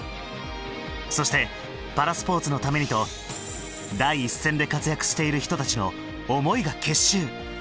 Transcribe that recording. そして「パラスポーツのために」と第一線で活躍している人たちの思いが結集！